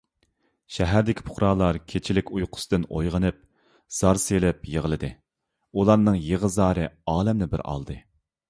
شەھەردىكى پۇقرالار كېچىلىك ئۇيقۇسىدىن ئويغىنىپ، زار سېلىپ يىغلىدى، ئۇلارنىڭ يىغا - زارى ئالەمنى بىر ئالدى.